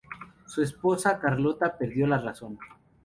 Su esposa Carlota perdió la razón.